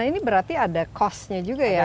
nah ini berarti ada kosnya juga ya